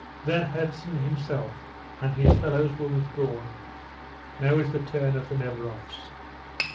Then Herzen himself and his fellows were withdrawn; now is the turn of the Neveroffs."